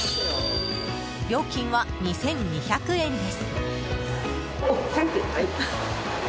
料金は２２００円です。